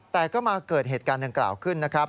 แต่ก็มาเกิดเหตุการณ์ดังกล่าวขึ้นนะครับ